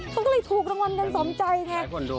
เขาก็เลยถูกระวังกันสมใจเนี่ย